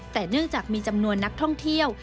แต่เนื่องจากมีจำนวนนักท่องเที่ยว